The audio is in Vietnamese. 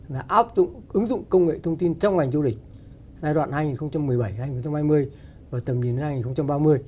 là áp dụng ứng dụng công nghệ thông tin trong ngành du lịch giai đoạn hai nghìn một mươi bảy hai nghìn hai mươi và tầm nhìn đến hai nghìn ba mươi